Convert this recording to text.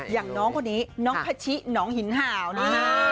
อย่างน้องคนนี้น้องพะชิหนองหินห่าวนะฮะ